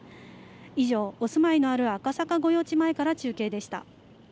以上、お住まいのある赤坂御用地前から中継でした。